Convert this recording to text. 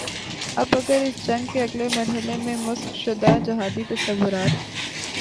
اب اگر اس جنگ کے اگلے مرحلے میں مسخ شدہ جہادی تصورات